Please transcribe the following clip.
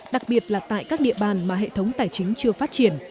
đặc biệt là tại các địa bàn mà hệ thống tài chính chưa phát triển